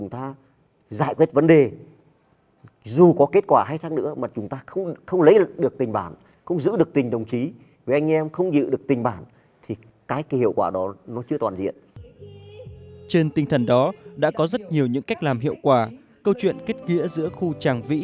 trên tinh thần đó đã có rất nhiều những cách làm hiệu quả câu chuyện kết nghĩa giữa khu tràng vĩ